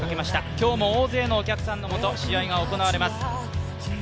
今日も大勢のお客さんのもと試合が行われます。